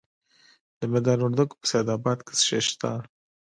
د میدان وردګو په سید اباد کې څه شی شته؟